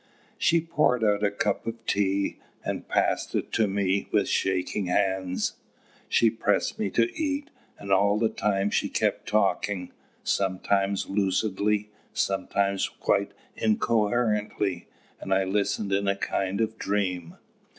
She poured out a cup of tea, and passed it to me with shaking hands. She pressed me to eat, and all the time she kept talking, sometimes lucidly, sometimes quite incoherently; and I listened in a kind of dream.